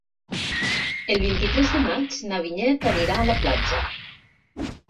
El vint-i-tres de maig na Vinyet anirà a la platja.